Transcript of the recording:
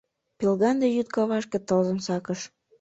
Пелганде йӱд кавашке тылзым сакыш